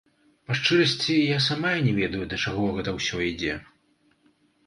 Па шчырасці, я самая не ведаю, да чаго гэта ўсё ідзе.